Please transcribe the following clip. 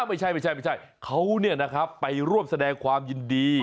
ค่ะไม่ใช่เขาเนี่ยนะครับไปร่วมแสดงความยินดี